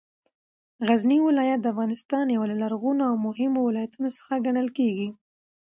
غزنې ولایت د افغانستان یو له لرغونو او مهمو ولایتونو څخه ګڼل کېږې